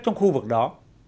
trong khu vực đó